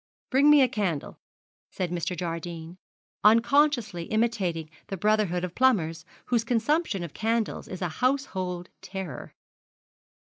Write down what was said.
'Bring me a candle,' said Mr. Jardine, unconsciously imitating the brotherhood of plumbers, whose consumption of candles is a household terror.